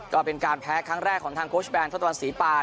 ก็เป็นการแพ้ครั้งแรกของทางโค้ชแนนทศวรรษีปา